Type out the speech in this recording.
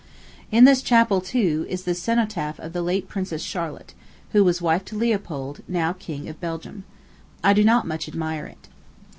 In this chapel, too, is the cenotaph of the late Princess Charlotte, who was wife to Leopold, now King of Belgium. I do not much admire it.